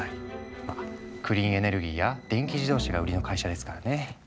まあクリーンエネルギーや電気自動車が売りの会社ですからね。